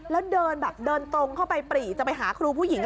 แล้วเดินตรงเข้าไปปรี๋จะไปหาครูผู้หญิง